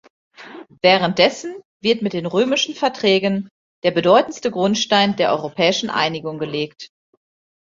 Währenddessen wird mit den Römischen Verträgen der bedeutendste Grundstein der europäischen Einigung gelegt.